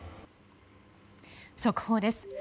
速報です。